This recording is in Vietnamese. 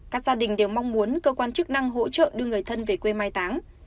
các gia đình đều mong muốn cơ quan chức năng hỗ trợ đưa người thân về quê mai táng